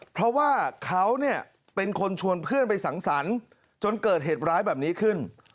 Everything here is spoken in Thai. เพราะว่าเขาเนี่ยเป็นคนชวนเพื่อนไปสังสรรค์จนเกิดเหตุร้ายแบบนี้ขึ้น